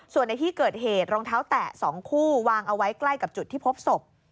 ส่วนในที่เกิดเหตุรองเท้าแตะ๒คู่วางเอาไว้ใกล้กับจุดที่พบศพ